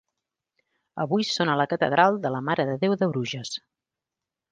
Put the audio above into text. Avui són a la catedral de la Mare de Déu de Bruges.